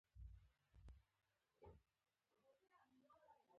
غوره کالي او خواړه د شتمنو خلکو په برخه وي.